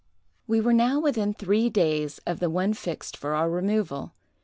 "We were now within three days of the one fixed for our removal.